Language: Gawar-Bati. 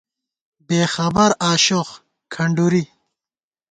بےخبر آشوخ (کھنڈُری)